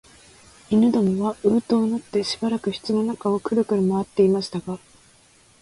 犬どもはううとうなってしばらく室の中をくるくる廻っていましたが、